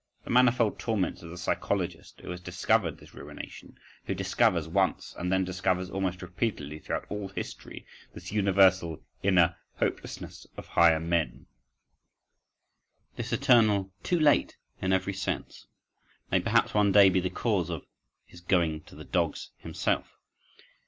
The manifold torments of the psychologist who has discovered this ruination, who discovers once, and then discovers almost repeatedly throughout all history, this universal inner "hopelessness" of higher men, this eternal "too late!" in every sense—may perhaps one day be the cause of his "going to the dogs" himself.